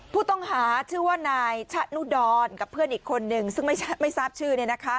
ผู้ต้องหาชื่อว่านายชะนุดรกับเพื่อนอีกคนนึงซึ่งไม่ชัดไม่ทราบชื่อเนี้ยนะคะ